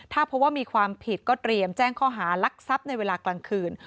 ถ้าพบว่ามีความผิดก็เตรียมแจ้งข้อหารักทรัพย์ในเวลากลางคืน